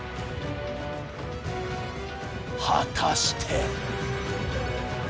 果たして。